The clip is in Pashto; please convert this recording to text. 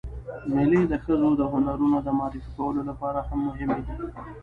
مېلې د ښځو د هنرونو د معرفي کولو له پاره هم مهمې دي.